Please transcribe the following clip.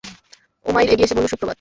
উমাইর এগিয়ে এসে বলল, সুপ্রভাত।